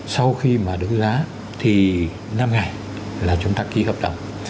sau khi mà đấu giá thì năm ngày là chúng ta ký hợp đồng